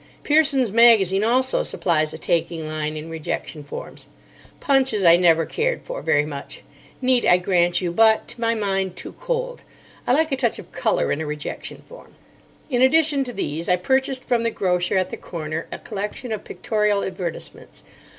Pearson's Magazine also supplies a taking line in rejection forms. Punch's I never cared for very much. Neat, I grant you; but, to my mind, too cold. I like a touch of colour in a rejection form. In addition to these, I purchased from the grocer at the corner a collection of pictorial advertisements.